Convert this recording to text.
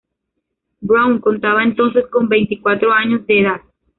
Brown contaba entonces con veinticuatro años de edad.